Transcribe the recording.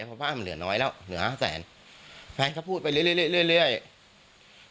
เพราะบ้านมันเหลือน้อยแล้วเหลือห้าแสนแฟนเขาพูดไปเรื่อยเรื่อยเรื่อย